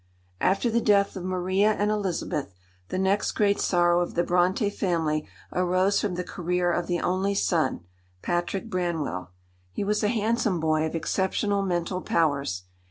After the death of Maria and Elizabeth, the next great sorrow of the Brontë family arose from the career of the only son, Patrick Branwell. He was a handsome boy of exceptional mental powers.